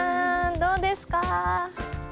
どうですか？